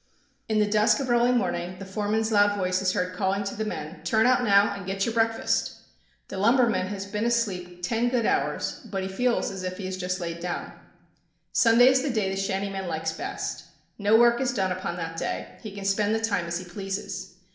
In the dusk of early morning the foreman's loud voice is heard calling to the men,— "Turn out now, and get your breakfast!" The lumberman has been asleep ten good hours, but he feels as if he had just lain down! Sunday is the day the shantyman likes best. No work is done upon that day. He can spend the time as he pleases.